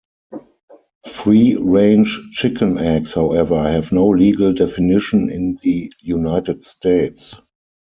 Free-range chicken eggs, however, have no legal definition in the United States.